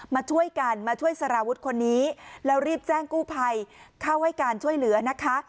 มาช่วยกันมาช่วยสารวุฒิคนนี้แล้วรีบแจ้งกู้ภัยเข้าให้การช่วยเหลือนะคะ